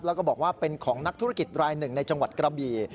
แล้วก็บอกว่าเป็นของนักธุรกิจรายหนึ่งในจังหวัดกระบี่